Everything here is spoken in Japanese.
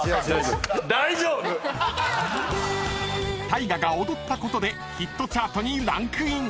［タイガが踊ったことでヒットチャートにランクイン］